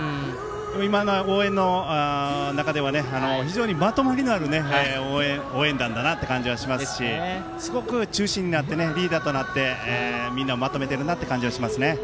今の応援の中でも非常にまとまりのある応援団だなという感じがしますしすごく中心になってリーダーになってみんなをまとめていると思います。